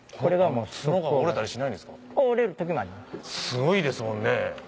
すごいですもんね。